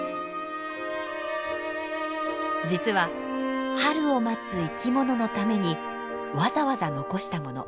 実は春を待つ生き物のためにわざわざ残したもの。